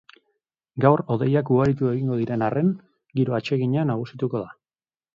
Gaur hodeiak ugaritu egingo diren arren, giro atsegina nagusituko da.